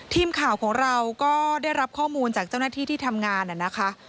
ทีมข่าวของเราก็ได้รับข้อมูลจากเจ้าหน้าที่ที่ทำงานนะคะ